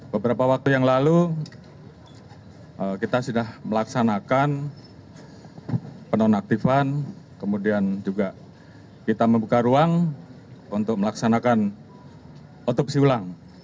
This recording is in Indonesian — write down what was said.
beberapa waktu yang lalu kita sudah melaksanakan penonaktifan kemudian juga kita membuka ruang untuk melaksanakan otopsi ulang